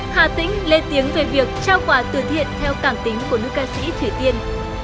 hà tĩnh lên tiếng về việc trao quà từ thiện theo cảm tính của nữ ca sĩ thủy tiên